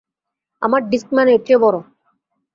আমার ডিস্কম্যান এর চেয়ে বড়।